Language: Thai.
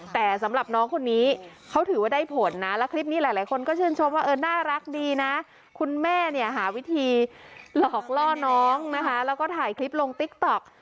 แต่สำหรับน้องคนนี้เขาถือว่าได้ผลนะแล้วคลิปนี้หลายคนก็ชื่นชมว่าเออน่ารักดีนะคุณแม่เนี่ยหาวิธีหลอกล่อน้องนะคะแล้วก็ถ่ายคลิปลงติ๊กต๊อก